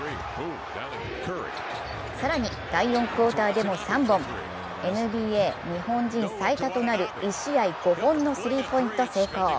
更に第４クオーターでも３本、ＮＢＡ日本人最多となる１試合５本のスリーポイント成功。